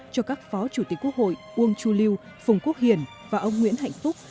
cho các phó chủ tịch quốc hội uông chu lưu phùng quốc hiền và ông nguyễn hạnh phúc